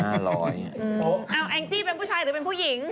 เอาแองจี้เป็นผู้ชายหรือเป็นผู้หญิง